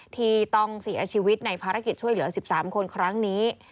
ที่ต้องเสียชีวิตในภารกิจช่วยเหลือ๑๓คนครั้งนี้